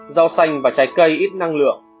rau xanh và trái cây ít năng lượng